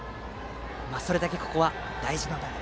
それだけここは大事な場面。